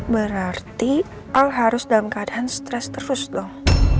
berarti al harus dalam keadaan stres terus dong